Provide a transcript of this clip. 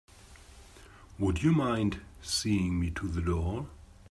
Would you mind seeing me to the door?